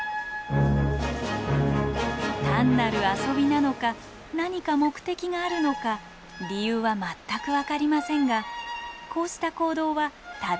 単なる遊びなのか何か目的があるのか理由は全く分かりませんがこうした行動はたびたび目撃されています。